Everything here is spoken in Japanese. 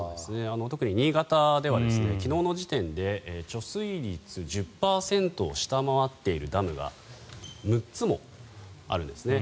特に新潟では昨日の時点で貯水率１０％を下回っているダムが６つもあるんですね。